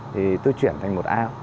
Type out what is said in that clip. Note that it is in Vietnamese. thì tôi chuyển thành một ao